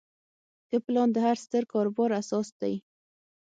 ښه پلان د هر ستر کاروبار اساس دی.